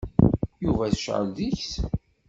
Yuba tecεel deg-s.